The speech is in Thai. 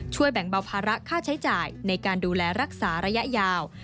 แบ่งเบาภาระค่าใช้จ่ายในการดูแลรักษาระยะยาว